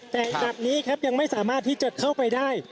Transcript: แต่จากนี้ครับยังไม่สามารถที่จะเข้าไปได้